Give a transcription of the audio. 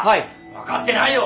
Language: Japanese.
分かってないよ！